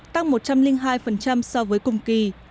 tăng một trăm linh hai so với cùng kỳ